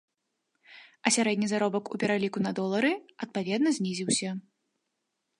А сярэдні заробак у пераліку на долары адпаведна знізіўся.